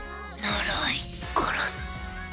呪い、殺す。